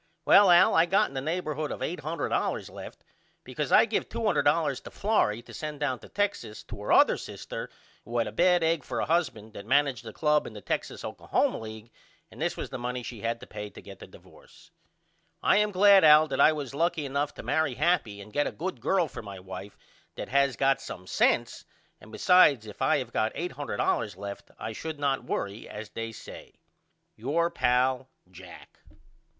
Well Al I got in the neighborhood of $800 left because I give $200 to Florrie to send down to Texas to her other sister who had a bad egg for a husband that managed a club in the Texas Oklahoma League and this was the money she had to pay to get the divorce. I am glad Al that I was lucky enough to marry happy and get a good girl for my wife that has got some sense and besides if I have got $800 left I should not worry as they say. Your pal, JACK.